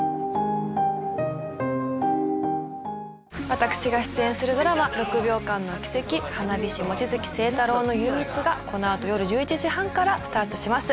私が出演するドラマ『６秒間の軌跡花火師・望月星太郎の憂鬱』がこのあとよる１１時半からスタートします。